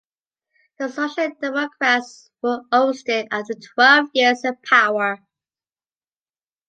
The Social Democrats were ousted after twelve years in power.